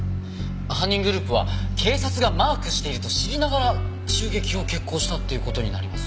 犯人グループは警察がマークしていると知りながら襲撃を決行したっていう事になります。